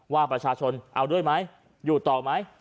ว่าประชาชนเอาด้วยไหมอยู่ต่อไหม